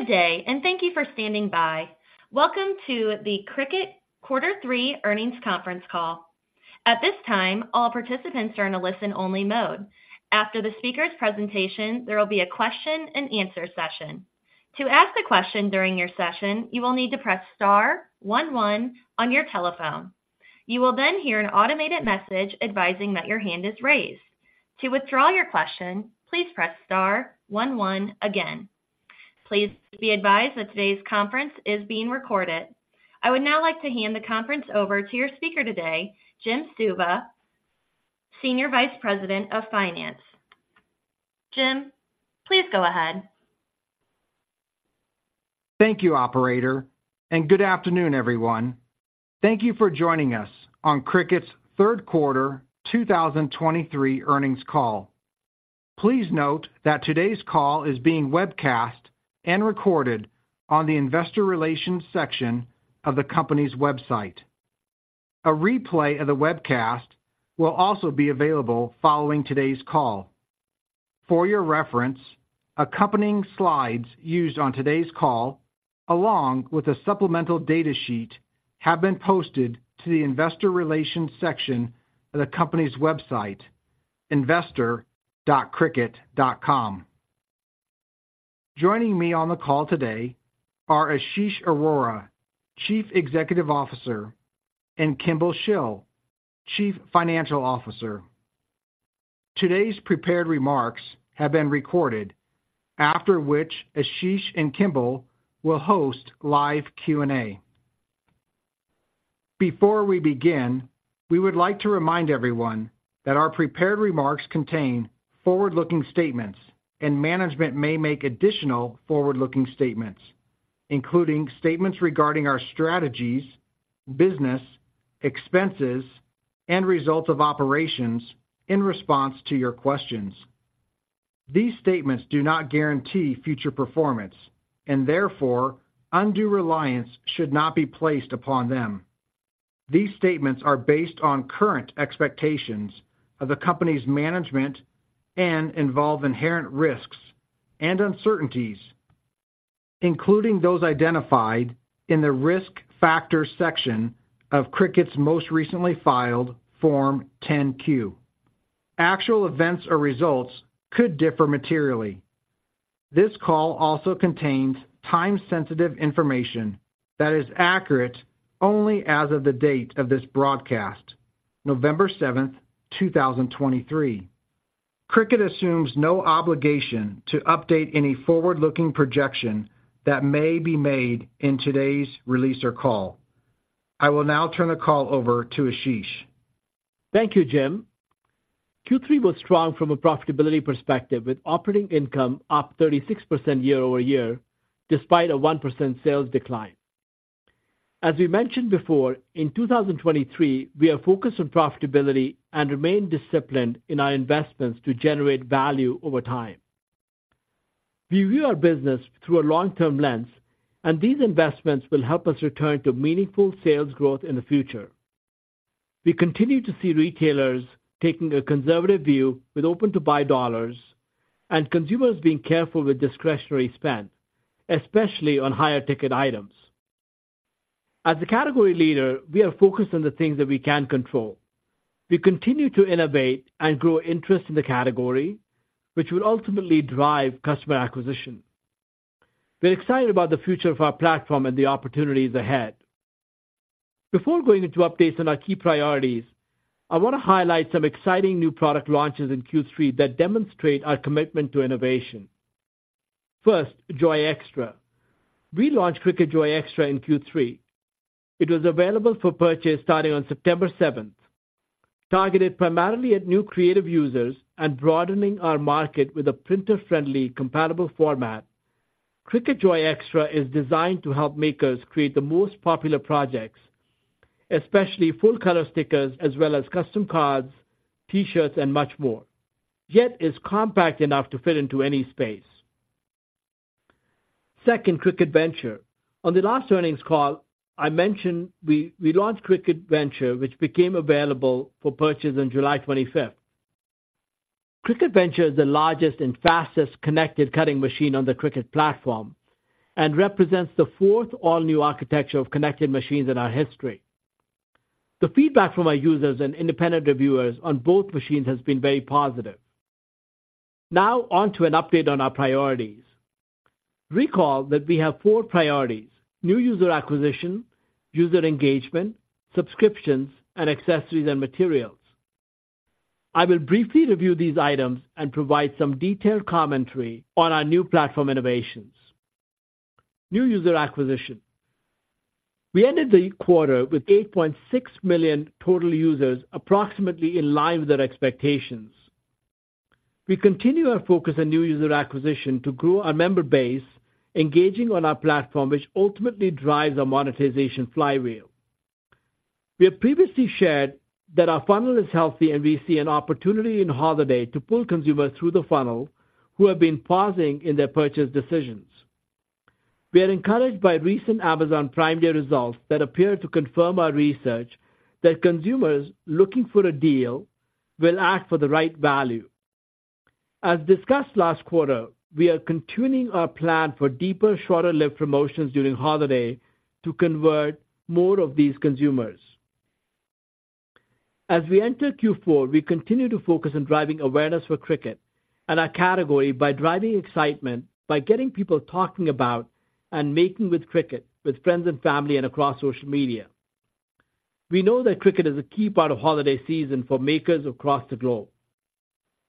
Good day, and thank you for standing by. Welcome to the Cricut Quarter Three Earnings Conference Call. At this time, all participants are in a listen-only mode. After the speaker's presentation, there will be a question-and-answer session. To ask a question during your session, you will need to press star one one on your telephone. You will then hear an automated message advising that your hand is raised. To withdraw your question, please press star one one again. Please be advised that today's conference is being recorded. I would now like to hand the conference over to your speaker today, Jim Suva, Senior Vice President of Finance. Jim, please go ahead. Thank you, operator, and good afternoon, everyone. Thank you for joining us on Cricut's third quarter 2023 earnings call. Please note that today's call is being webcast and recorded on the investor relations section of the company's website. A replay of the webcast will also be available following today's call. For your reference, accompanying slides used on today's call, along with a supplemental data sheet, have been posted to the investor relations section of the company's website, investor.cricut.com. Joining me on the call today are Ashish Arora, Chief Executive Officer, and Kimball Shill, Chief Financial Officer. Today's prepared remarks have been recorded, after which Ashish and Kimball will host live Q&A. Before we begin, we would like to remind everyone that our prepared remarks contain forward-looking statements and management may make additional forward-looking statements, including statements regarding our strategies, business, expenses, and results of operations in response to your questions. These statements do not guarantee future performance, and therefore, undue reliance should not be placed upon them. These statements are based on current expectations of the company's management and involve inherent risks and uncertainties, including those identified in the Risk Factors section of Cricut's most recently filed Form 10-Q. Actual events or results could differ materially. This call also contains time-sensitive information that is accurate only as of the date of this broadcast, November 7, 2023. Cricut assumes no obligation to update any forward-looking projection that may be made in today's release or call. I will now turn the call over to Ashish. Thank you, Jim. Q3 was strong from a profitability perspective, with operating income up 36% year-over-year, despite a 1% sales decline. As we mentioned before, in 2023, we are focused on profitability and remain disciplined in our investments to generate value over time. We view our business through a long-term lens, and these investments will help us return to meaningful sales growth in the future. We continue to see retailers taking a conservative view with Open-to-Buy dollars and consumers being careful with discretionary spend, especially on higher ticket items. As a category leader, we are focused on the things that we can control. We continue to innovate and grow interest in the category, which will ultimately drive customer acquisition. We're excited about the future of our platform and the opportunities ahead. Before going into updates on our key priorities, I want to highlight some exciting new product launches in Q3 that demonstrate our commitment to innovation. First, Joy Xtra. We launched Cricut Joy Xtra in Q3. It was available for purchase starting on September 7. Targeted primarily at new creative users and broadening our market with a printer-friendly, compatible format, Cricut Joy Xtra is designed to help makers create the most popular projects, especially full-color stickers as well as custom cards, T-shirts, and much more, yet is compact enough to fit into any space. Second, Cricut Venture. On the last earnings call, I mentioned we launched Cricut Venture, which became available for purchase on July 25. Cricut Venture is the largest and fastest connected cutting machine on the Cricut platform and represents the fourth all-new architecture of connected machines in our history. The feedback from our users and independent reviewers on both machines has been very positive. Now on to an update on our priorities. Recall that we have four priorities: new user acquisition, user engagement, subscriptions, and accessories and materials. I will briefly review these items and provide some detailed commentary on our new platform innovations. New user acquisition. We ended the quarter with 8.6 million total users, approximately in line with our expectations. We continue our focus on new user acquisition to grow our member base, engaging on our platform, which ultimately drives our monetization flywheel. We have previously shared that our funnel is healthy, and we see an opportunity in holiday to pull consumers through the funnel who have been pausing in their purchase decisions. We are encouraged by recent Amazon Prime Day results that appear to confirm our research that consumers looking for a deal-.. will act for the right value. As discussed last quarter, we are continuing our plan for deeper, shorter-lived promotions during holiday to convert more of these consumers. As we enter Q4, we continue to focus on driving awareness for Cricut and our category by driving excitement, by getting people talking about and making with Cricut, with friends and family, and across social media. We know that Cricut is a key part of holiday season for makers across the globe.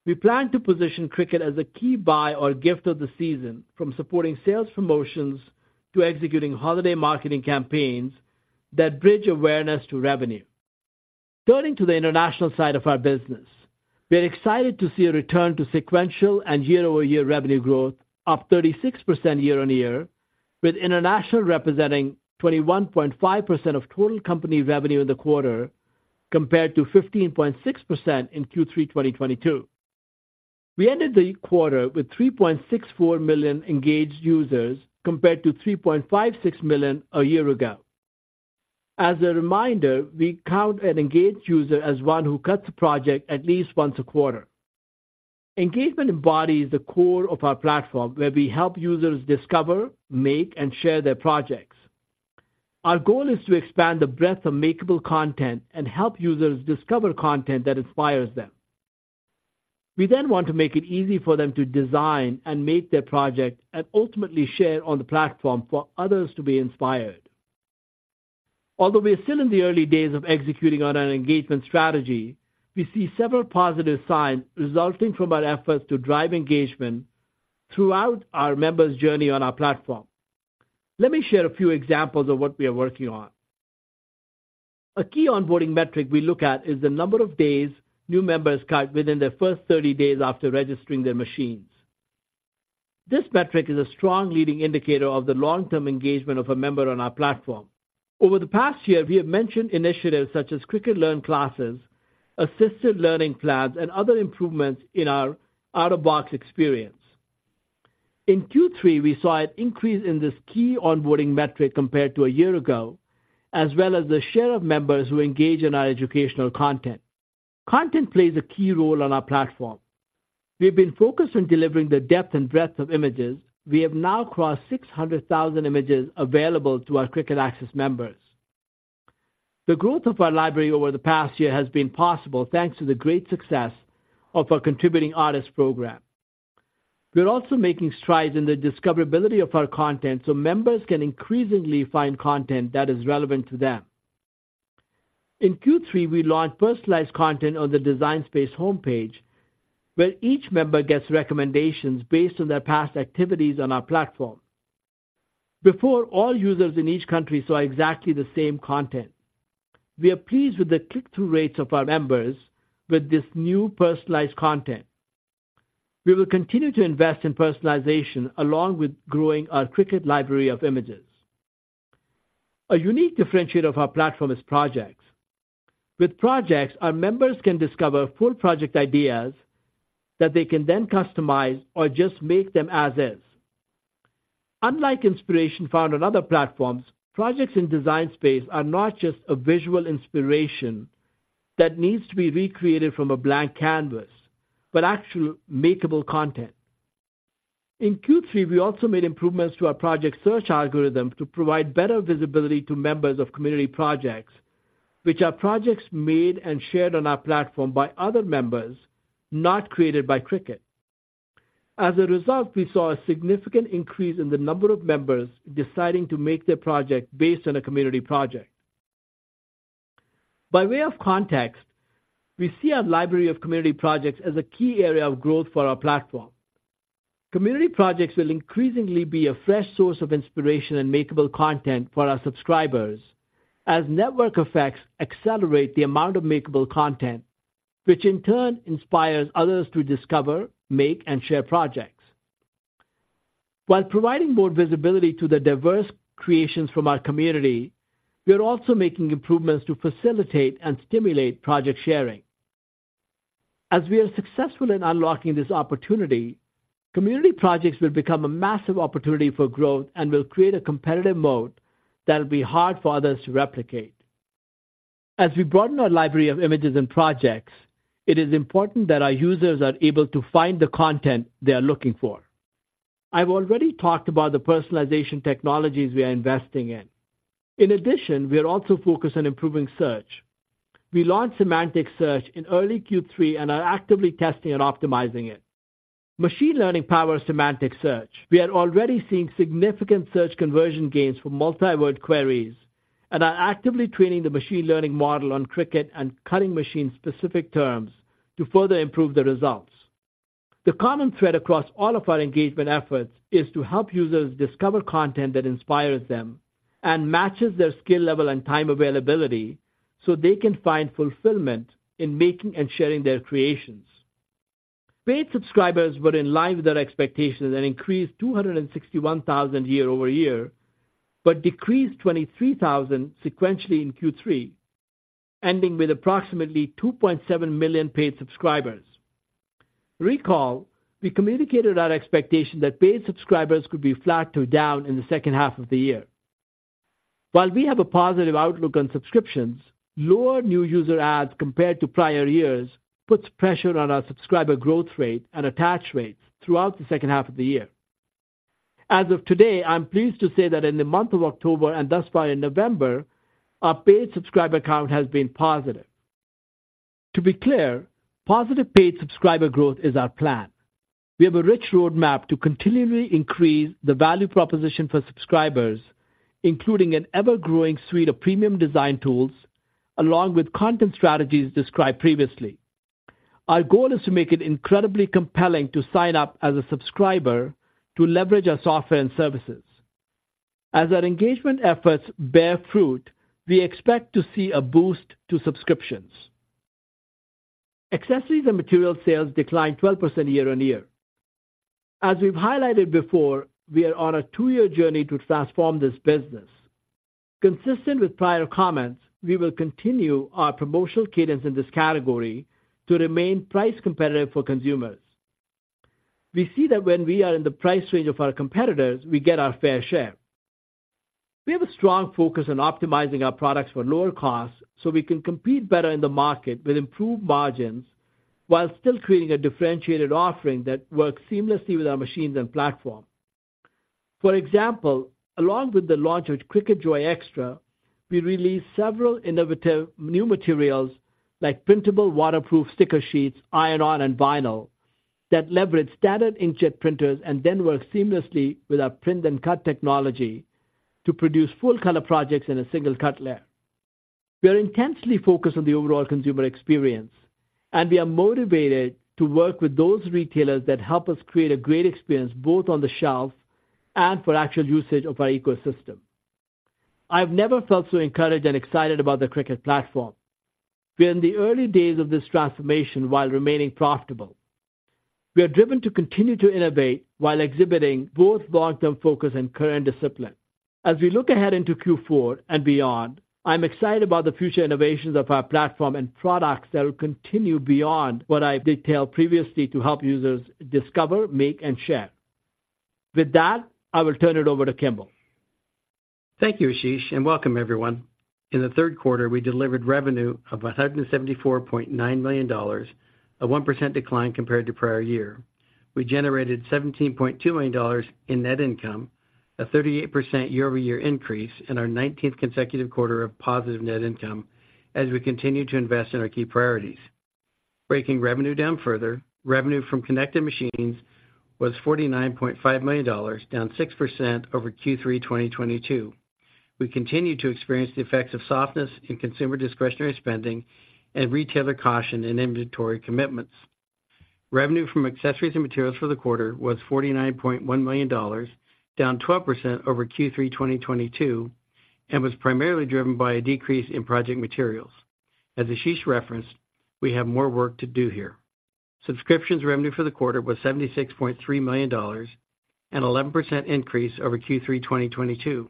We plan to position Cricut as a key buy or gift of the season, from supporting sales promotions to executing holiday marketing campaigns that bridge awareness to revenue. Turning to the international side of our business, we are excited to see a return to sequential and year-over-year revenue growth up 36% year-on-year, with international representing 21.5% of total company revenue in the quarter, compared to 15.6% in Q3 2022. We ended the quarter with 3.64 million engaged users, compared to 3.56 million a year ago. As a reminder, we count an engaged user as one who cuts a project at least once a quarter. Engagement embodies the core of our platform, where we help users discover, make, and share their projects. Our goal is to expand the breadth of makeable content and help users discover content that inspires them. We then want to make it easy for them to design and make their project, and ultimately share on the platform for others to be inspired. Although we are still in the early days of executing on our engagement strategy, we see several positive signs resulting from our efforts to drive engagement throughout our members' journey on our platform. Let me share a few examples of what we are working on. A key onboarding metric we look at is the number of days new members cut within their first 30 days after registering their machines. This metric is a strong leading indicator of the long-term engagement of a member on our platform. Over the past year, we have mentioned initiatives such as Cricut learn classes, assisted learning plans, and other improvements in our out-of-box experience. In Q3, we saw an increase in this key onboarding metric compared to a year ago, as well as the share of members who engage in our educational content. Content plays a key role on our platform. We've been focused on delivering the depth and breadth of images. We have now crossed 600,000 images available to our Cricut Access members. The growth of our library over the past year has been possible thanks to the great success of our contributing artists program. We are also making strides in the discoverability of our content, so members can increasingly find content that is relevant to them. In Q3, we launched personalized content on the Design Space homepage, where each member gets recommendations based on their past activities on our platform. Before, all users in each country saw exactly the same content. We are pleased with the click-through rates of our members with this new personalized content. We will continue to invest in personalization, along with growing our Cricut library of images. A unique differentiator of our platform is projects. With projects, our members can discover full project ideas that they can then customize or just make them as is. Unlike inspiration found on other platforms, projects in Design Space are not just a visual inspiration that needs to be recreated from a blank canvas, but actual makeable content. In Q3, we also made improvements to our project search algorithm to provide better visibility to members of community projects, which are projects made and shared on our platform by other members, not created by Cricut. As a result, we saw a significant increase in the number of members deciding to make their project based on a community project. By way of context, we see our library of community projects as a key area of growth for our platform. Community projects will increasingly be a fresh source of inspiration and makeable content for our subscribers as network effects accelerate the amount of makeable content, which in turn inspires others to discover, make, and share projects. While providing more visibility to the diverse creations from our community, we are also making improvements to facilitate and stimulate project sharing. As we are successful in unlocking this opportunity, community projects will become a massive opportunity for growth and will create a competitive moat that will be hard for others to replicate. As we broaden our library of images and projects, it is important that our users are able to find the content they are looking for. I've already talked about the personalization technologies we are investing in. In addition, we are also focused on improving search. We launched semantic search in early Q3 and are actively testing and optimizing it. Machine learning powers Semantic Search. We are already seeing significant search conversion gains for multi-word queries and are actively training the machine learning model on Cricut and cutting machine-specific terms to further improve the results. The common thread across all of our engagement efforts is to help users discover content that inspires them and matches their skill level and time availability, so they can find fulfillment in making and sharing their creations. Paid subscribers were in line with their expectations and increased 261,000 year-over-year, but decreased 23,000 sequentially in Q3, ending with approximately 2.7 million paid subscribers. Recall, we communicated our expectation that paid subscribers could be flat to down in the second half of the year.... While we have a positive outlook on subscriptions, lower new user adds compared to prior years puts pressure on our subscriber growth rate and attach rates throughout the second half of the year. As of today, I'm pleased to say that in the month of October, and thus far in November, our paid subscriber count has been positive. To be clear, positive paid subscriber growth is our plan. We have a rich roadmap to continually increase the value proposition for subscribers, including an ever-growing suite of premium design tools, along with content strategies described previously. Our goal is to make it incredibly compelling to sign up as a subscriber to leverage our software and services. As our engagement efforts bear fruit, we expect to see a boost to subscriptions. Accessories and materials sales declined 12% year-on-year. As we've highlighted before, we are on a two-year journey to transform this business. Consistent with prior comments, we will continue our promotional cadence in this category to remain price competitive for consumers. We see that when we are in the price range of our competitors, we get our fair share. We have a strong focus on optimizing our products for lower costs, so we can compete better in the market with improved margins, while still creating a differentiated offering that works seamlessly with our machines and platform. For example, along with the launch of Cricut Joy Xtra, we released several innovative new materials like printable, waterproof sticker sheets, iron-on, and vinyl, that leverage standard inkjet printers and then work seamlessly with our print and cut technology to produce full color projects in a single cut layer. We are intensely focused on the overall consumer experience, and we are motivated to work with those retailers that help us create a great experience, both on the shelf and for actual usage of our ecosystem. I have never felt so encouraged and excited about the Cricut platform. We are in the early days of this transformation while remaining profitable. We are driven to continue to innovate while exhibiting both long-term focus and current discipline. As we look ahead into Q4 and beyond, I'm excited about the future innovations of our platform and products that will continue beyond what I detailed previously to help users discover, make, and share. With that, I will turn it over to Kimball. Thank you, Ashish, and welcome everyone. In the third quarter, we delivered revenue of $174.9 million, a 1% decline compared to prior year. We generated $17.2 million in net income, a 38% year-over-year increase in our nineteenth consecutive quarter of positive net income as we continue to invest in our key priorities. Breaking revenue down further, revenue from Connected Machines was $49.5 million, down 6% over Q3 2022. We continue to experience the effects of softness in consumer discretionary spending and retailer caution in inventory commitments. Revenue from Accessories and Materials for the quarter was $49.1 million, down 12% over Q3 2022, and was primarily driven by a decrease in project materials. As Ashish referenced, we have more work to do here. Subscriptions revenue for the quarter was $76.3 million, an 11% increase over Q3 2022,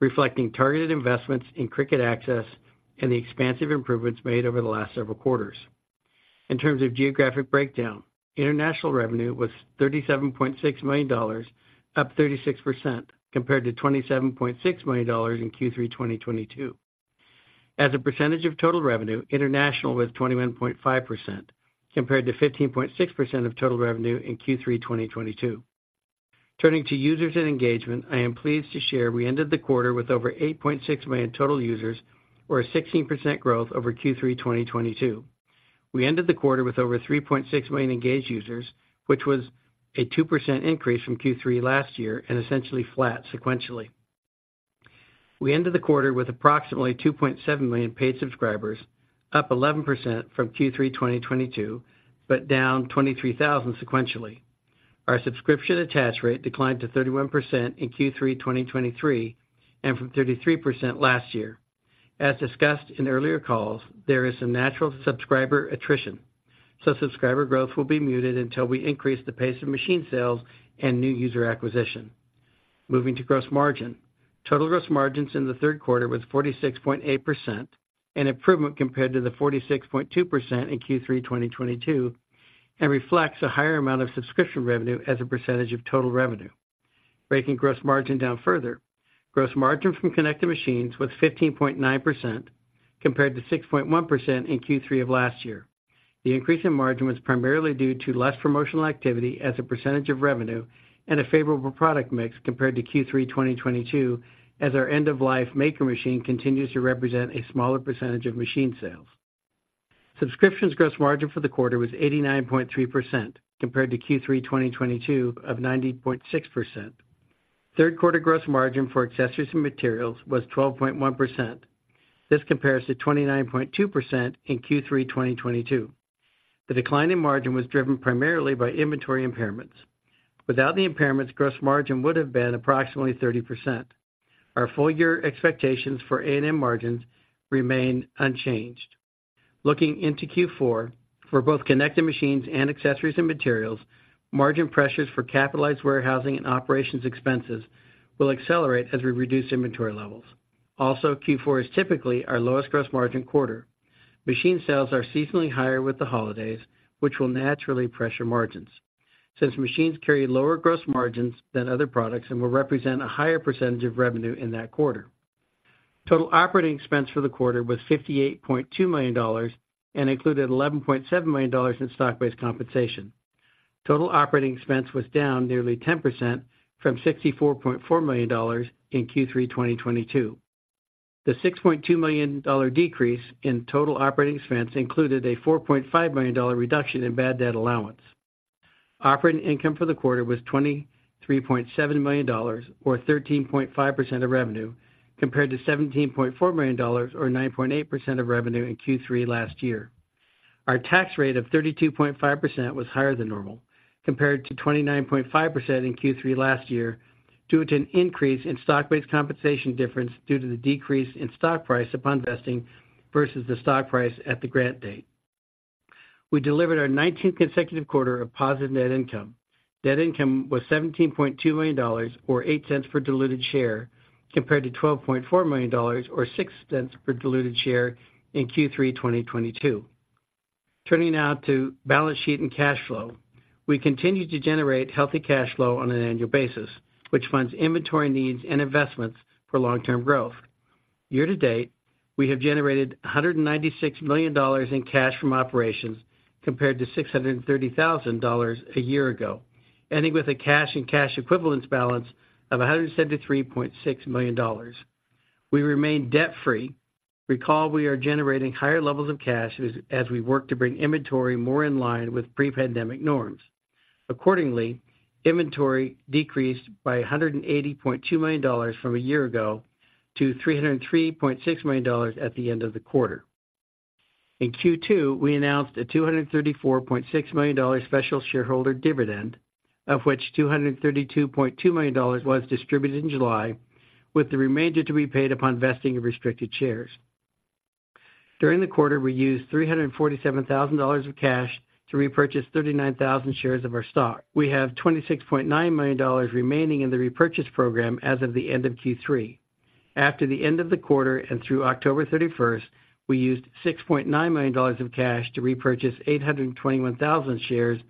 reflecting targeted investments in Cricut Access and the expansive improvements made over the last several quarters. In terms of geographic breakdown, international revenue was $37.6 million, up 36% compared to $27.6 million in Q3 2022. As a percentage of total revenue, international was 21.5%, compared to 15.6% of total revenue in Q3 2022. Turning to users and engagement, I am pleased to share we ended the quarter with over 8.6 million total users, or a 16% growth over Q3 2022. We ended the quarter with over 3.6 million engaged users, which was a 2% increase from Q3 last year and essentially flat sequentially. We ended the quarter with approximately 2.7 million paid subscribers, up 11% from Q3 2022, but down 23,000 sequentially. Our subscription attach rate declined to 31% in Q3 2023 and from 33% last year. As discussed in earlier calls, there is some natural subscriber attrition, so subscriber growth will be muted until we increase the pace of machine sales and new user acquisition. Moving to gross margin. Total gross margins in the third quarter was 46.8%, an improvement compared to the 46.2% in Q3 2022, and reflects a higher amount of subscription revenue as a percentage of total revenue. Breaking gross margin down further, gross margin from connected machines was 15.9%, compared to 6.1% in Q3 of last year. The increase in margin was primarily due to less promotional activity as a percentage of revenue and a favorable product mix compared to Q3 2022, as our end-of-life Maker machine continues to represent a smaller percentage of machine sales. Subscriptions gross margin for the quarter was 89.3%, compared to Q3 2022 of 90.6%. Third quarter gross margin for accessories and materials was 12.1%. This compares to 29.2% in Q3 2022. The decline in margin was driven primarily by inventory impairments. Without the impairments, gross margin would have been approximately 30%. Our full year expectations for A&M margins remain unchanged. Looking into Q4, for both connected machines and accessories and materials, margin pressures for capitalized warehousing and operations expenses will accelerate as we reduce inventory levels. Also, Q4 is typically our lowest gross margin quarter. Machine sales are seasonally higher with the holidays, which will naturally pressure margins, since machines carry lower gross margins than other products and will represent a higher percentage of revenue in that quarter. Total operating expense for the quarter was $58.2 million and included $11.7 million in stock-based compensation. Total operating expense was down nearly 10% from $64.4 million in Q3 2022. The $6.2 million decrease in total operating expense included a $4.5 million reduction in bad debt allowance. Operating income for the quarter was $23.7 million, or 13.5% of revenue, compared to $17.4 million, or 9.8% of revenue, in Q3 last year. Our tax rate of 32.5% was higher than normal, compared to 29.5% in Q3 last year, due to an increase in stock-based compensation difference due to the decrease in stock price upon vesting versus the stock price at the grant date. We delivered our 19th consecutive quarter of positive net income. Net income was $17.2 million, or $0.08 per diluted share, compared to $12.4 million, or $0.06 per diluted share, in Q3 2022. Turning now to balance sheet and cash flow. We continue to generate healthy cash flow on an annual basis, which funds inventory needs and investments for long-term growth. Year to date, we have generated $196 million in cash from operations, compared to $630,000 a year ago, ending with a cash and cash equivalents balance of $173.6 million. We remain debt-free. Recall, we are generating higher levels of cash as we work to bring inventory more in line with pre-pandemic norms. Accordingly, inventory decreased by $180.2 million from a year ago to $303.6 million at the end of the quarter. In Q2, we announced a $234.6 million special shareholder dividend, of which $232.2 million was distributed in July, with the remainder to be paid upon vesting of restricted shares. During the quarter, we used $347,000 of cash to repurchase 39,000 shares of our stock. We have $26.9 million remaining in the repurchase program as of the end of Q3. After the end of the quarter and through October 31st, we used $6.9 million of cash to repurchase 821,000 shares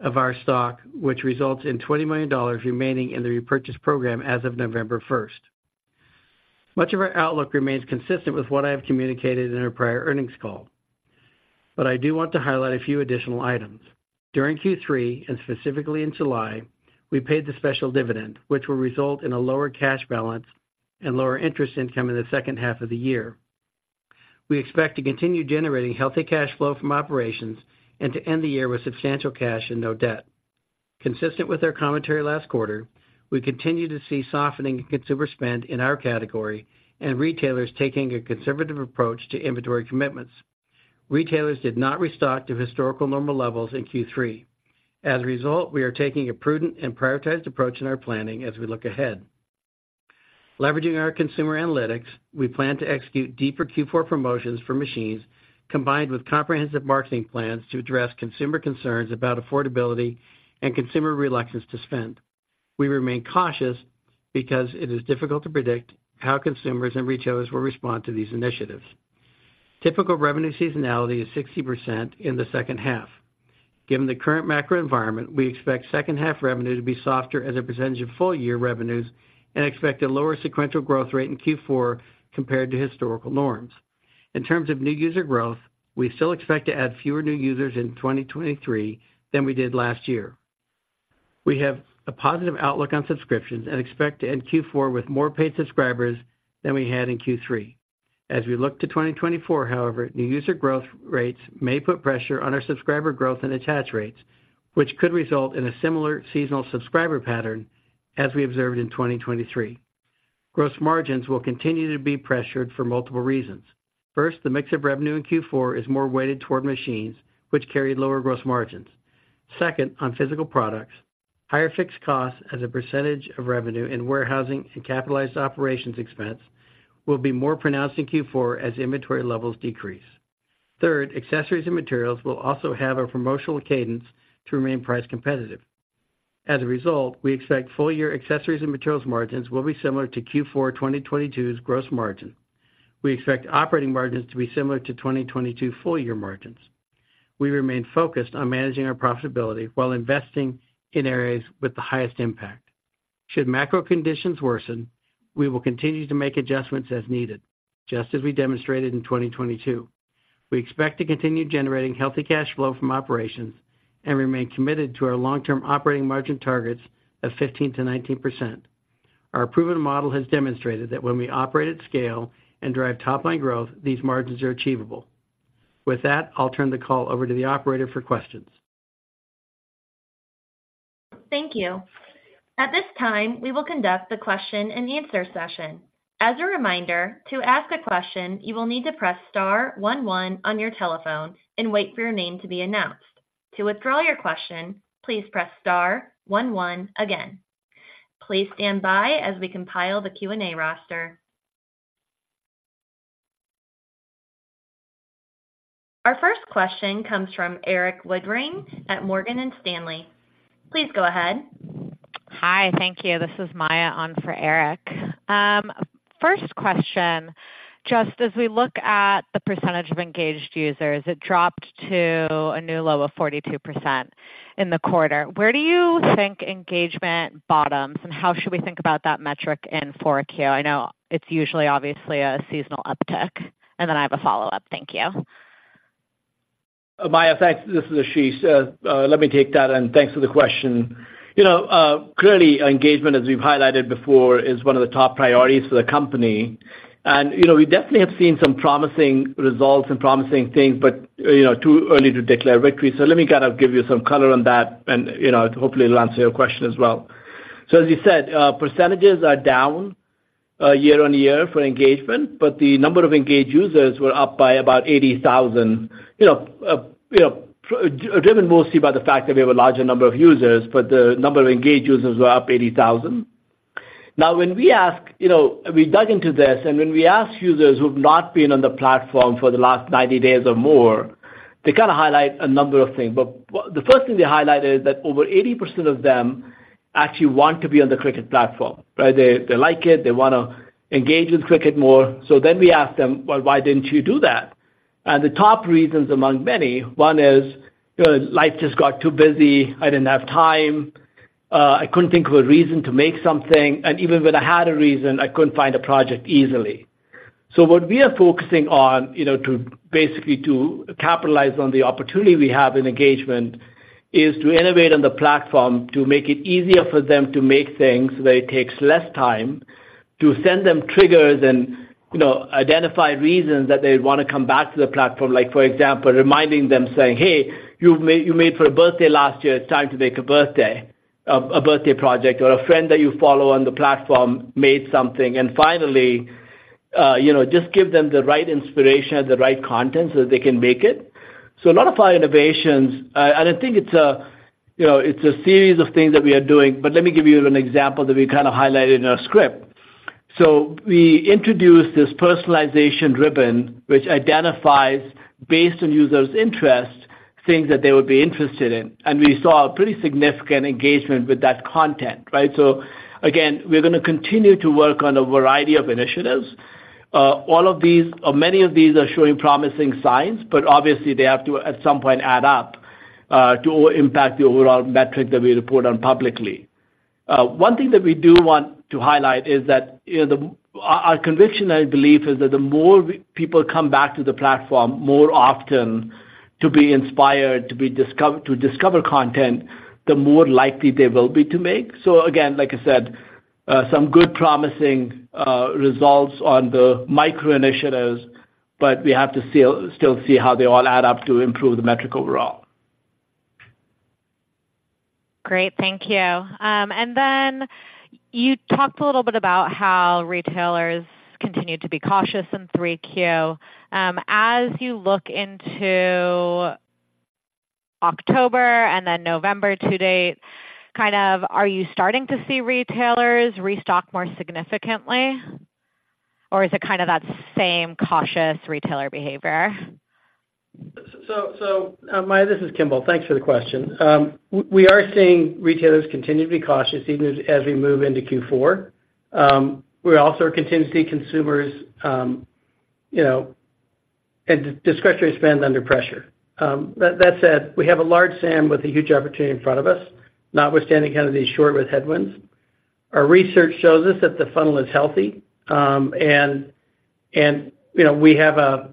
of our stock, which results in $20 million remaining in the repurchase program as of November 1st. Much of our outlook remains consistent with what I have communicated in our prior earnings call, but I do want to highlight a few additional items. During Q3, and specifically in July, we paid the special dividend, which will result in a lower cash balance and lower interest income in the second half of the year. We expect to continue generating healthy cash flow from operations and to end the year with substantial cash and no debt. Consistent with our commentary last quarter, we continue to see softening in consumer spend in our category and retailers taking a conservative approach to inventory commitments. Retailers did not restock to historical normal levels in Q3. As a result, we are taking a prudent and prioritized approach in our planning as we look ahead. Leveraging our consumer analytics, we plan to execute deeper Q4 promotions for machines, combined with comprehensive marketing plans to address consumer concerns about affordability and consumer reluctance to spend. We remain cautious because it is difficult to predict how consumers and retailers will respond to these initiatives. Typical revenue seasonality is 60% in the second half. Given the current macro environment, we expect second half revenue to be softer as a percentage of full-year revenues and expect a lower sequential growth rate in Q4 compared to historical norms. In terms of new user growth, we still expect to add fewer new users in 2023 than we did last year. We have a positive outlook on subscriptions and expect to end Q4 with more paid subscribers than we had in Q3. As we look to 2024, however, new user growth rates may put pressure on our subscriber growth and attach rates, which could result in a similar seasonal subscriber pattern as we observed in 2023. Gross margins will continue to be pressured for multiple reasons. First, the mix of revenue in Q4 is more weighted toward machines, which carry lower gross margins. Second, on physical products, higher fixed costs as a percentage of revenue in warehousing and capitalized operations expense will be more pronounced in Q4 as inventory levels decrease. Third, accessories and materials will also have a promotional cadence to remain price competitive. As a result, we expect full-year accessories and materials margins will be similar to Q4 2022's gross margin. We expect operating margins to be similar to 2022 full-year margins. We remain focused on managing our profitability while investing in areas with the highest impact. Should macro conditions worsen, we will continue to make adjustments as needed, just as we demonstrated in 2022. We expect to continue generating healthy cash flow from operations and remain committed to our long-term operating margin targets of 15%-19%. Our proven model has demonstrated that when we operate at scale and drive top-line growth, these margins are achievable. With that, I'll turn the call over to the operator for questions. Thank you. At this time, we will conduct the question-and-answer session. As a reminder, to ask a question, you will need to press star one one on your telephone and wait for your name to be announced. To withdraw your question, please press star one one again. Please stand by as we compile the Q&A roster. Our first question comes from Eric Woodring at Morgan Stanley. Please go ahead.... Hi, thank you. This is Maya on for Eric. First question, just as we look at the percentage of engaged users, it dropped to a new low of 42% in the quarter. Where do you think engagement bottoms, and how should we think about that metric in 4Q? I know it's usually obviously a seasonal uptick. And then I have a follow-up. Thank you. Maya, thanks. This is Ashish. Let me take that, and thanks for the question. You know, clearly, engagement, as we've highlighted before, is one of the top priorities for the company. You know, we definitely have seen some promising results and promising things, but, you know, too early to declare victory. So let me kind of give you some color on that and, you know, hopefully it'll answer your question as well. So as you said, percentages are down year-over-year for engagement, but the number of engaged users were up by about 80,000. You know, you know, primarily driven mostly by the fact that we have a larger number of users, but the number of engaged users were up 80,000. Now, when we ask, you know, we dug into this, and when we asked users who've not been on the platform for the last 90 days or more, they kinda highlight a number of things. But the first thing they highlighted is that over 80% of them actually want to be on the Cricut platform, right? They, they like it, they wanna engage with Cricut more. So then we ask them, "Well, why didn't you do that?" And the top reasons among many, one is, life just got too busy, I didn't have time, I couldn't think of a reason to make something, and even when I had a reason, I couldn't find a project easily. So what we are focusing on, you know, to basically capitalize on the opportunity we have in engagement, is to innovate on the platform, to make it easier for them to make things, where it takes less time to send them triggers and, you know, identify reasons that they'd wanna come back to the platform. Like, for example, reminding them, saying, "Hey, you made for a birthday last year, it's time to make a birthday project," or a friend that you follow on the platform made something. And finally, you know, just give them the right inspiration and the right content so they can make it. So a lot of our innovations, I think it's a, you know, it's a series of things that we are doing, but let me give you an example that we kind of highlighted in our script. So we introduced this personalization ribbon, which identifies, based on users' interests, things that they would be interested in, and we saw a pretty significant engagement with that content, right? So again, we're gonna continue to work on a variety of initiatives. All of these, or many of these are showing promising signs, but obviously, they have to, at some point, add up to impact the overall metric that we report on publicly. One thing that we do want to highlight is that, you know, our conviction and belief is that the more people come back to the platform more often to be inspired, to discover content, the more likely they will be to make. So again, like I said, some good promising results on the micro initiatives, but we have to still see how they all add up to improve the metric overall. Great, thank you. And then you talked a little bit about how retailers continued to be cautious in 3Q. As you look into October and then November to date, kind of, are you starting to see retailers restock more significantly, or is it kind of that same cautious retailer behavior? So, Maya, this is Kimball. Thanks for the question. We are seeing retailers continue to be cautious, even as we move into Q4. We also continue to see consumers, you know, and discretionary spend under pressure. That said, we have a large SAM with a huge opportunity in front of us, notwithstanding kind of these short-lived headwinds. Our research shows us that the funnel is healthy. And, you know, we have a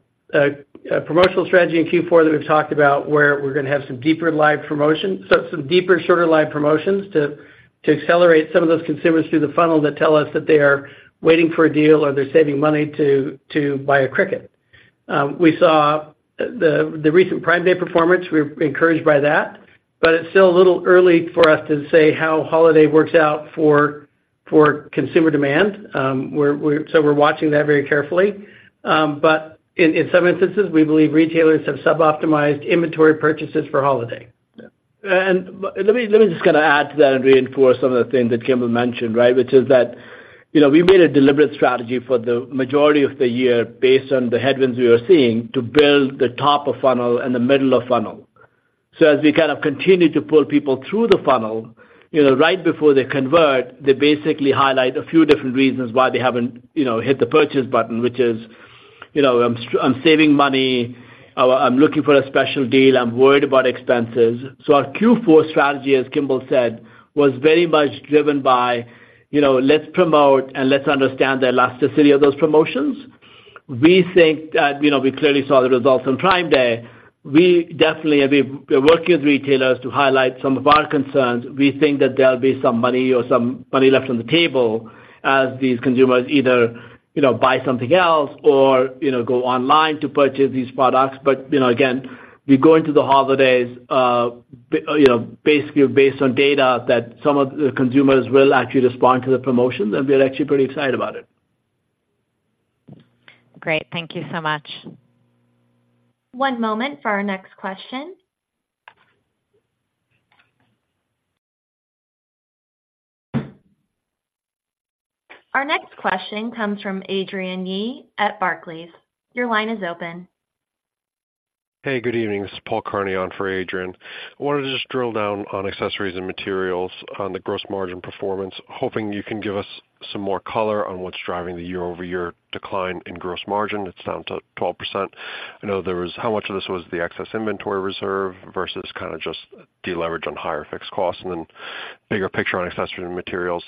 promotional strategy in Q4 that we've talked about, where we're gonna have some deeper live promotions, so some deeper, shorter live promotions to accelerate some of those consumers through the funnel that tell us that they are waiting for a deal or they're saving money to buy a Cricut. We saw the recent Prime Day performance; we're encouraged by that, but it's still a little early for us to say how holiday works out for consumer demand. So we're watching that very carefully. But in some instances, we believe retailers have sub-optimized inventory purchases for holiday. Let me just kinda add to that and reinforce some of the things that Kimball mentioned, right? Which is that, you know, we made a deliberate strategy for the majority of the year based on the headwinds we are seeing, to build the top of funnel and the middle of funnel. So as we kind of continue to pull people through the funnel, you know, right before they convert, they basically highlight a few different reasons why they haven't, you know, hit the purchase button, which is, you know, I'm saving money, I'm looking for a special deal, I'm worried about expenses. So our Q4 strategy, as Kimball said, was very much driven by, you know, let's promote and let's understand the elasticity of those promotions. We think that, you know, we clearly saw the results on Prime Day. We definitely, we're working with retailers to highlight some of our concerns. We think that there'll be some money or some money left on the table as these consumers either, you know, buy something else or, you know, go online to purchase these products. But, you know, again, we go into the holidays, you know, basically based on data that some of the consumers will actually respond to the promotions, and we're actually pretty excited about it. Great. Thank you so much. One moment for our next question... Our next question comes from Adrian Yee at Barclays. Your line is open. Hey, good evening. This is Paul Kearney on for Adrian. I wanted to just drill down on accessories and materials on the gross margin performance, hoping you can give us some more color on what's driving the year-over-year decline in gross margin. It's down to 12%. I know there was how much of this was the excess inventory reserve versus kind of just deleverage on higher fixed costs? And then bigger picture on accessories and materials,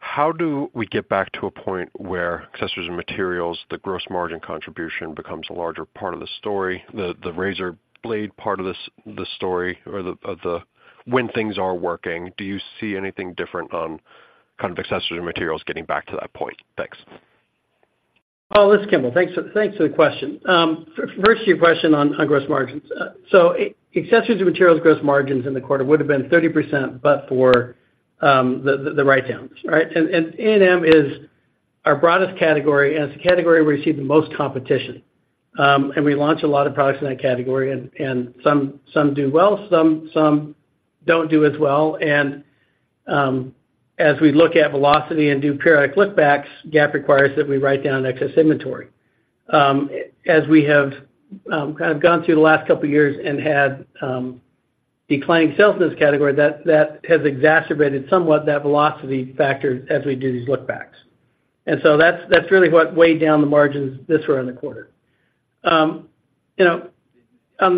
how do we get back to a point where accessories and materials, the gross margin contribution, becomes a larger part of the story, the, the razor blade part of this, the story or the, of the when things are working, do you see anything different on kind of accessories and materials getting back to that point? Thanks. Paul, this is Kimball. Thanks for the question. First, to your question on gross margins. So accessories and materials gross margins in the quarter would have been 30%, but for the write-downs, right? And A&M is our broadest category, and it's the category we see the most competition. And we launch a lot of products in that category, and some do well, some don't do as well. And as we look at velocity and do periodic look backs, GAAP requires that we write down excess inventory. As we have kind of gone through the last couple of years and had declining sales in this category, that has exacerbated somewhat that velocity factor as we do these look backs. And so that's really what weighed down the margins this round the quarter. You know, on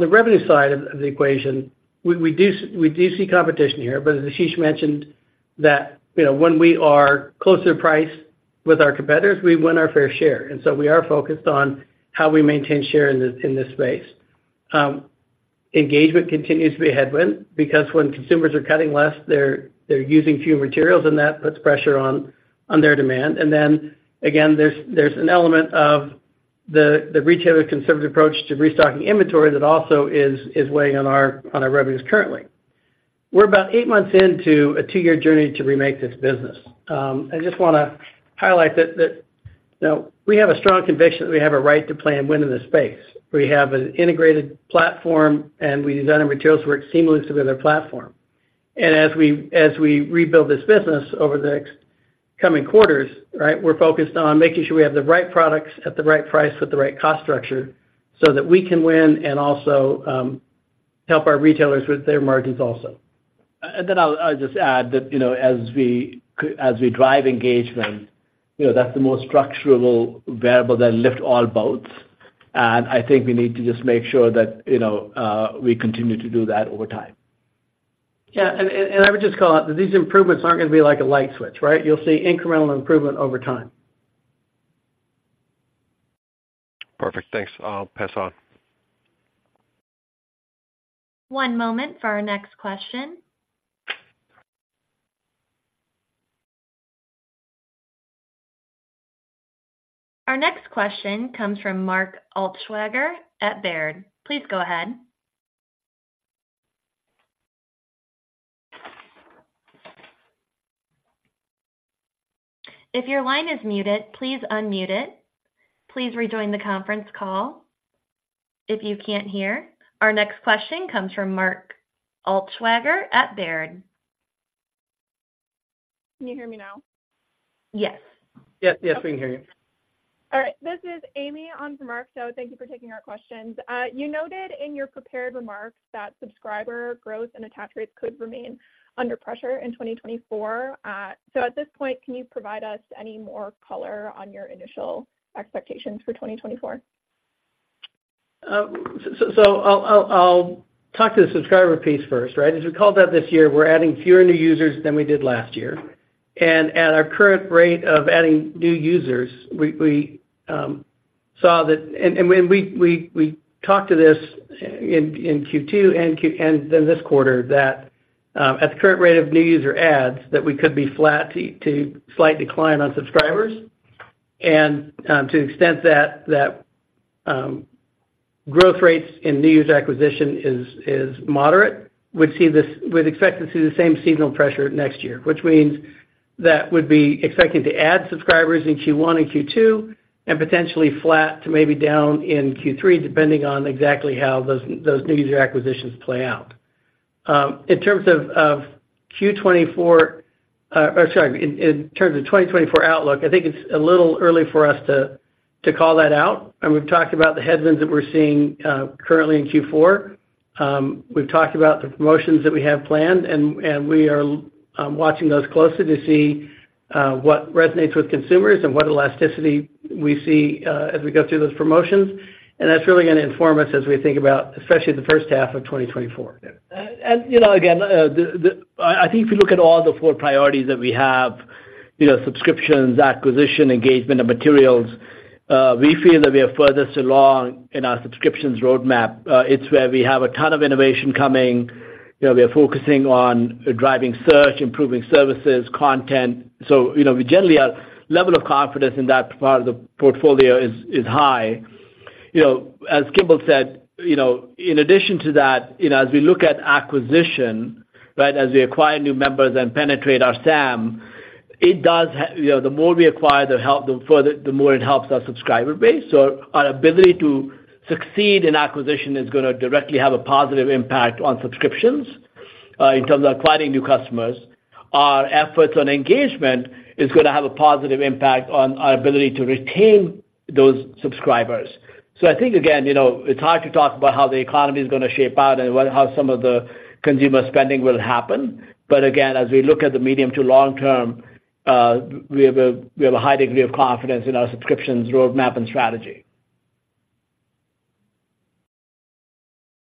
the revenue side of the equation, we do see competition here, but as Ashish mentioned, you know, when we are closer to price with our competitors, we win our fair share, and so we are focused on how we maintain share in this space. Engagement continues to be a headwind, because when consumers are cutting less, they're using fewer materials, and that puts pressure on their demand. And then again, there's an element of the retailer conservative approach to restocking inventory that also is weighing on our revenues currently. We're about eight months into a two-year journey to remake this business. I just wanna highlight that, you know, we have a strong conviction that we have a right to play and win in this space. We have an integrated platform, and we design our materials to work seamlessly with our platform. And as we rebuild this business over the next coming quarters, right, we're focused on making sure we have the right products at the right price, with the right cost structure, so that we can win and also help our retailers with their margins also. And then I'll just add that, you know, as we drive engagement, you know, that's the most structural variable that lift all boats, and I think we need to just make sure that, you know, we continue to do that over time. Yeah, and I would just call out that these improvements aren't going to be like a light switch, right? You'll see incremental improvement over time. Perfect. Thanks. I'll pass on. One moment for our next question. Our next question comes from Mark Altschwager at Baird. Please go ahead. If your line is muted, please unmute it. Please rejoin the conference call if you can't hear. Our next question comes from Mark Altschwager at Baird. Can you hear me now? Yes. Yes, yes, we can hear you. All right. This is Amy on for Mark, so thank you for taking our questions. You noted in your prepared remarks that subscriber growth and attach rates could remain under pressure in 2024. So at this point, can you provide us any more color on your initial expectations for 2024? So, I'll talk to the subscriber piece first, right? As we called out this year, we're adding fewer new users than we did last year, and at our current rate of adding new users, we saw that. And when we talked to this in Q2 and Q3 and then this quarter, that at the current rate of new user adds, we could be flat to slight decline on subscribers. And to the extent that growth rates in new user acquisition is moderate, we'd expect to see the same seasonal pressure next year, which means that would be expected to add subscribers in Q1 and Q2, and potentially flat to maybe down in Q3, depending on exactly how those new user acquisitions play out. In terms of 2024 outlook, I think it's a little early for us to call that out, and we've talked about the headwinds that we're seeing currently in Q4. We've talked about the promotions that we have planned, and we are watching those closely to see what resonates with consumers and what elasticity we see as we go through those promotions. That's really going to inform us as we think about, especially the first half of 2024. Yeah. You know, again, I think if you look at all the four priorities that we have, you know, subscriptions, acquisition, engagement, and materials, we feel that we are furthest along in our subscriptions roadmap. It's where we have a ton of innovation coming. You know, we are focusing on driving search, improving services, content. So, you know, we generally are level of confidence in that part of the portfolio is high. You know, as Kimball said, you know, in addition to that, you know, as we look at acquisition, right, as we acquire new members and penetrate our SAM, it does, you know, the more we acquire, the more it helps our subscriber base. So our ability to succeed in acquisition is gonna directly have a positive impact on subscriptions. In terms of acquiring new customers, our efforts on engagement is going to have a positive impact on our ability to retain those subscribers. So I think, again, you know, it's hard to talk about how the economy is going to shape out and how some of the consumer spending will happen. But again, as we look at the medium to long term, we have a high degree of confidence in our subscriptions, roadmap, and strategy.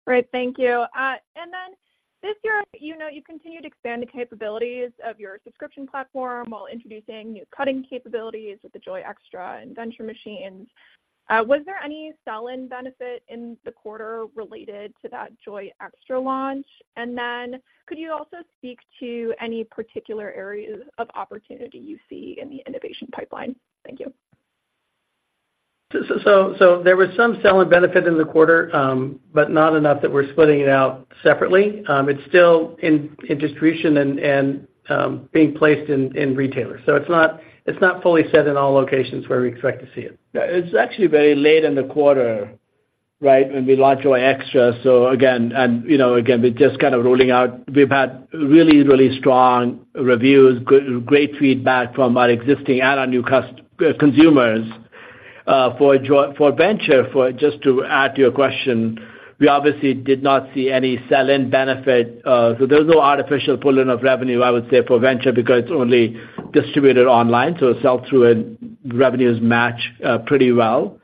Great, thank you. And then this year, you know, you continued to expand the capabilities of your subscription platform while introducing new cutting capabilities with the Joy Xtra and Venture machines. Was there any sell-in benefit in the quarter related to that Joy Xtra launch? And then could you also speak to any particular areas of opportunity you see in the innovation pipeline? Thank you. So there was some sell-in benefit in the quarter, but not enough that we're splitting it out separately. It's still in distribution and being placed in retailers. So it's not fully set in all locations where we expect to see it. Yeah, it's actually very late in the quarter, right, when we launched Joy Xtra. So again, and you know, again, we're just kind of rolling out. We've had really, really strong reviews, great feedback from our existing and our new consumers. For Joy Xtra—for Venture, for just to add to your question, we obviously did not see any sell-in benefit. So there's no artificial pull-in of revenue, I would say, for Venture, because it's only distributed online, so it sells through and revenues match pretty well.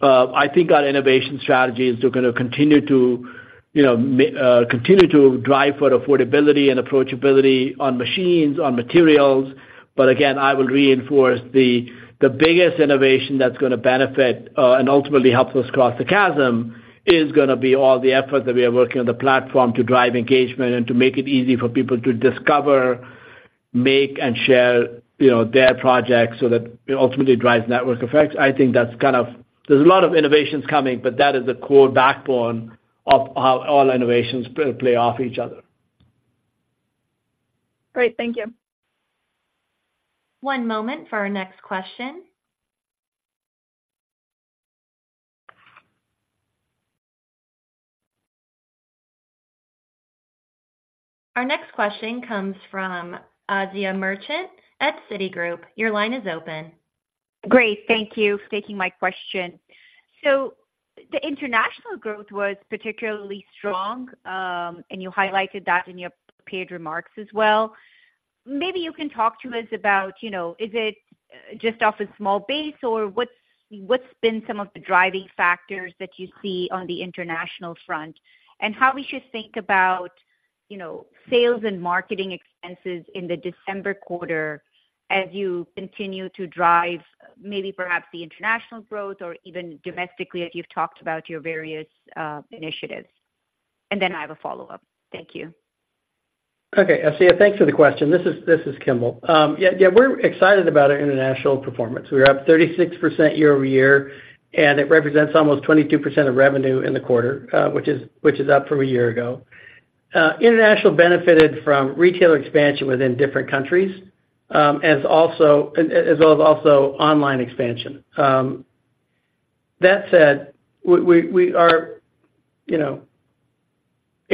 I think our innovation strategy is we're gonna continue to, you know, continue to drive for affordability and approachability on machines, on materials. But again, I will reinforce the biggest innovation that's gonna benefit and ultimately help us cross the chasm is gonna be all the efforts that we are working on the platform to drive engagement and to make it easy for people to discover, make and share, you know, their projects so that it ultimately drives network effects. I think that's kind of... There's a lot of innovations coming, but that is the core backbone of how all innovations play off each other. Great, thank you. One moment for our next question. Our next question comes from Asiya Merchant at Citigroup. Your line is open. Great, thank you for taking my question. So the international growth was particularly strong, and you highlighted that in your prepared remarks as well. Maybe you can talk to us about, you know, is it just off a small base, or what's, what's been some of the driving factors that you see on the international front? And how we should think about, you know, sales and marketing expenses in the December quarter as you continue to drive, maybe perhaps the international growth or even domestically, as you've talked about your various initiatives. And then I have a follow-up. Thank you. Okay, Asiya, thanks for the question. This is Kimball. Yeah, we're excited about our international performance. We're up 36% year-over-year, and it represents almost 22% of revenue in the quarter, which is up from a year ago. International benefited from retailer expansion within different countries, as well as online expansion. That said, we are, you know,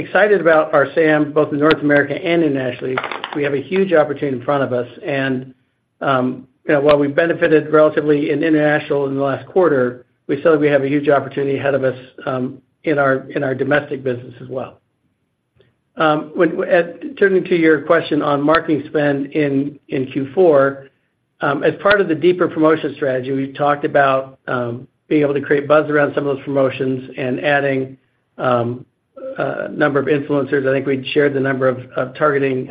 excited about our SAM, both in North America and internationally. We have a huge opportunity in front of us, and while we benefited relatively in international in the last quarter, we still have a huge opportunity ahead of us, in our domestic business as well. Turning to your question on marketing spend in Q4, as part of the deeper promotion strategy, we talked about being able to create buzz around some of those promotions and adding a number of influencers. I think we'd shared the number of targeting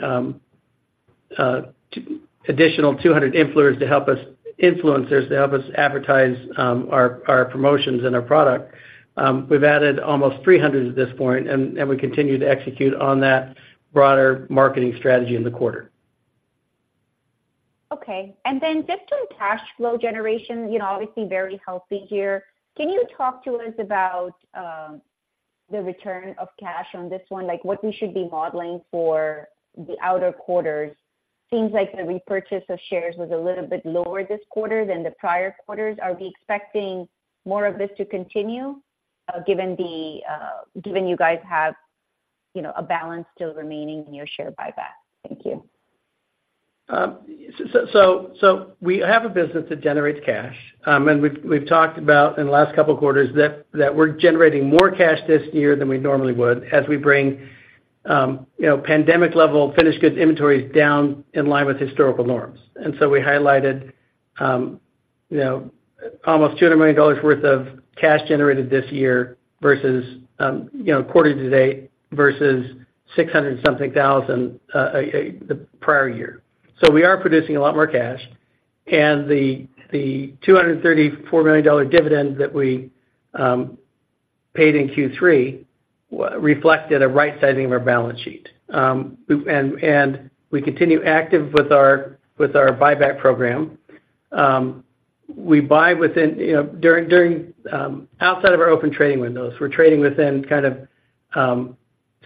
additional 200 influencers to help us advertise our promotions and our product. We've added almost 300 at this point, and we continue to execute on that broader marketing strategy in the quarter. Okay, and then just on cash flow generation, you know, obviously very healthy here. Can you talk to us about, the return of cash on this one? Like, what we should be modeling for the outer quarters? Seems like the repurchase of shares was a little bit lower this quarter than the prior quarters. Are we expecting more of this to continue, given the, given you guys have, you know, a balance still remaining in your share buyback? Thank you. So we have a business that generates cash. And we've talked about in the last couple of quarters that we're generating more cash this year than we normally would as we bring you know, pandemic-level finished goods inventories down in line with historical norms. And so we highlighted you know, almost $200 million worth of cash generated this year versus quarter to date versus $600-something thousand the prior year. So we are producing a lot more cash, and the $234 million dividend that we paid in Q3 reflected a right-sizing of our balance sheet. And we continue active with our buyback program. We buy within you know, during outside of our open trading windows. We're trading within kind of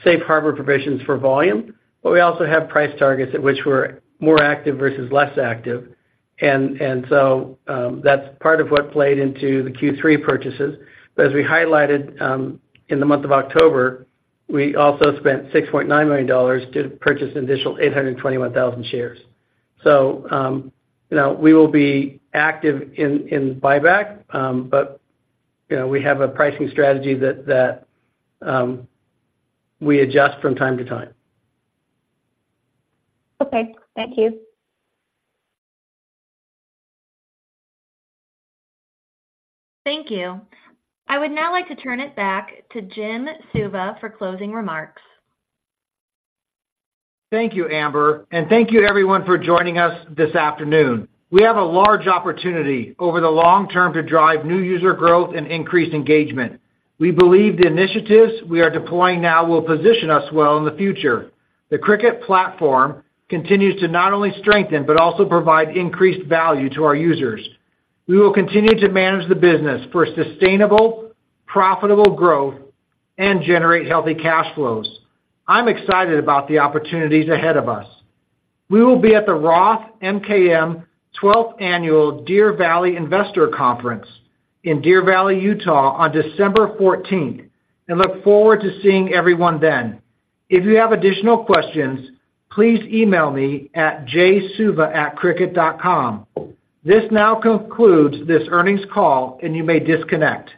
safe harbor provisions for volume, but we also have price targets at which we're more active versus less active. So, that's part of what played into the Q3 purchases. But as we highlighted, in the month of October, we also spent $6.9 million to purchase an additional 821,000 shares. So, you know, we will be active in buyback, but, you know, we have a pricing strategy that we adjust from time to time. Okay, thank you. Thank you. I would now like to turn it back to Jim Suva for closing remarks. Thank you, Amber, and thank you to everyone for joining us this afternoon. We have a large opportunity over the long term to drive new user growth and increase engagement. We believe the initiatives we are deploying now will position us well in the future. The Cricut platform continues to not only strengthen, but also provide increased value to our users. We will continue to manage the business for sustainable, profitable growth and generate healthy cash flows. I'm excited about the opportunities ahead of us. We will be at the Roth MKM Twelfth Annual Deer Valley Investor Conference in Deer Valley, Utah, on December fourteenth, and look forward to seeing everyone then. If you have additional questions, please email me at jsuva@cricut.com. This now concludes this earnings call, and you may disconnect.